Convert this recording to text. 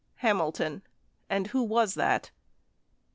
Hamilton. And who was that?